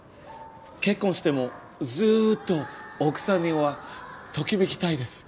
結婚してもずっと奥さんにはときめきたいです。